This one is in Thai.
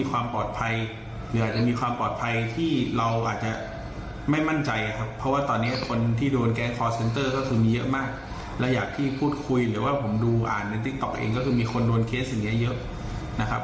ก็คือมีคนโดนเคสอย่างนี้เยอะนะครับ